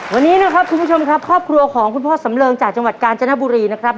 วันนี้นะครับคุณผู้ชมครับครอบครัวของคุณพ่อสำเริงจากจังหวัดกาญจนบุรีนะครับ